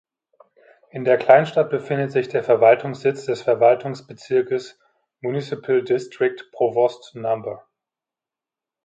In der Kleinstadt befindet sich der Verwaltungssitz des Verwaltungsbezirkes („Municipal District“) Provost No.